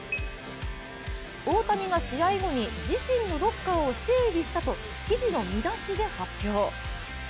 大谷が試合後に、自身のロッカーを整理したと記事の見出しで発表。